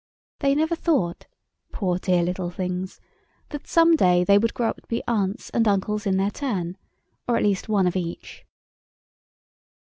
They never thought—poor, dear little things—that some day they would grow up to be aunts and uncles in their turn, or, at least, one of each.